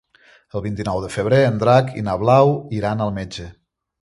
El vint-i-nou de febrer en Drac i na Blau iran al metge.